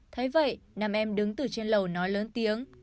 thấy vậy nam em đứng từ trên lầu nói lớn tiếng